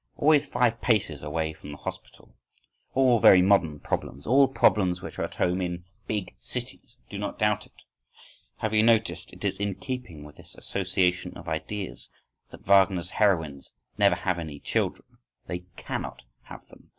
Always five paces away from the hospital! All very modern problems, all problems which are at home in big cities! do not doubt it!… Have you noticed (it is in keeping with this association of ideas) that Wagner's heroines never have any children?—They cannot have them.